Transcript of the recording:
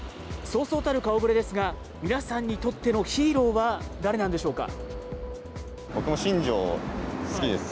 そうそうたる顔ぶれですが、皆さんにとってのヒーローは誰なんでしょうか。